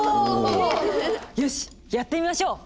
よしやってみましょう。